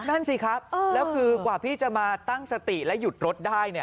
นั่นสิครับแล้วคือกว่าพี่จะมาตั้งสติและหยุดรถได้